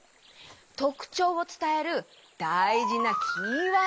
とくちょうをつたえるだいじなキーワードがあるよ。